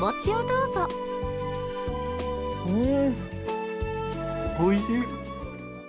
うん、おいしい。